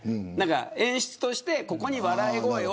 演出として、ここに笑い声を。